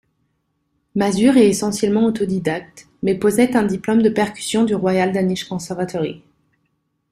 Mazur est essentiellement autodidacte, mais possède un diplôme de percussions du Royal Danish Conservatory.